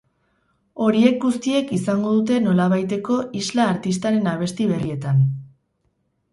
Horiek guztiek izango dute nolabaiteko isla artistaren abesti berrietan.